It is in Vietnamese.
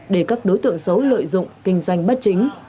để các đối tượng xấu lợi dụng kinh doanh bất chính